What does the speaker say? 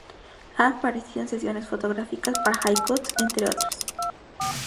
Ha aparecido en sesiones fotográficas para "High Cut", entre otros.